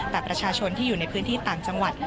แต่ประชาชนที่อยู่ในพื้นที่ต่างจังหวัด